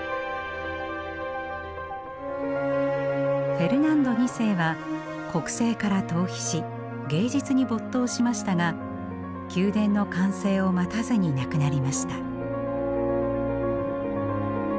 フェルナンド２世は国政から逃避し芸術に没頭しましたが宮殿の完成を待たずに亡くなりました。